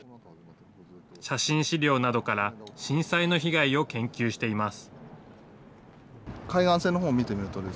写真資料などから、震災の被害を研究しています。